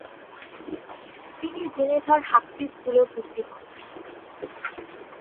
তিনি জেনেভার হাক্সিস স্কুলে ভর্তি হন।